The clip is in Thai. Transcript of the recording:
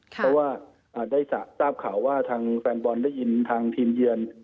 เพราะว่าได้ทราบข่าวว่าทางแฟนบอลได้ยินทางทีมเยือน